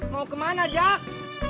mau kemana jack